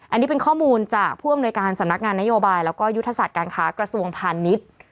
อันนี้เป็นข้อมูลจากผู้อำนวยการสำนักงานนโยบายแล้วก็ยุทธศาสตร์การค้ากระทรวงพาณิชย์